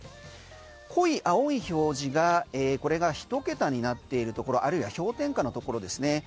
濃い青い表示がこれが１桁になっているところあるいは氷点下のところですね。